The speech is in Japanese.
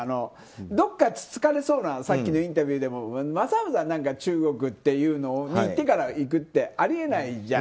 どっかつつかれそうなさっきのインタビューでもわざわざ中国に行ってから行くってあり得ないじゃん。